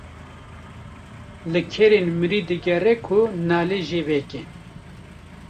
Li kerên mirî digere ku nalê jê veke.